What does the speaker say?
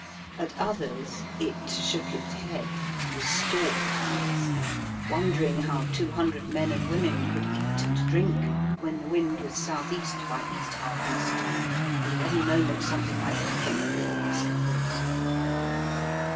At others It shook its head, and stalked forth, wondering how two hundred men and women could eat and drink when the wind was south east by east half east, an^ at any moment something might happen at the lee scuppers.